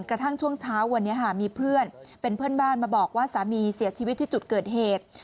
กระทั่งช่วงเช้าวันนี้มีเพื่อนเป็นเพื่อนบ้านมาบอกว่าสามีเสียชีวิตที่จุดเกิดเหตุ